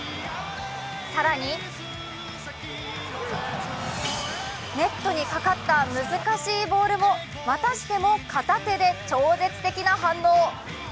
更に、ネットにかかった難しいボールもまたしても片手で超絶的な反応。